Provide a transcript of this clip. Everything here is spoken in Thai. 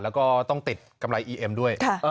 แล้วก็ต้องติดกำไรอีเอ็มด้วย